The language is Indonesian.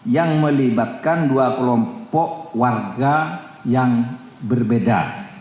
yang melibatkan dua kelompok warga yang berbeda